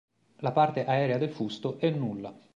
La parte aerea del fusto è nulla.